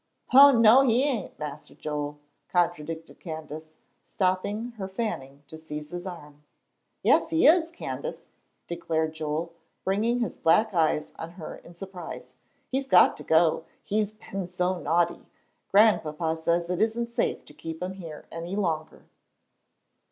"Oh, no, he ain', Mas'r Joel," contradicted Candace, stopping her fanning to seize his arm. "Yes, he is, Candace," declared Joel, bringing his black eyes on her in surprise; "he's got to go, he's been so naughty. Grandpapa says it isn't safe to keep him here any longer."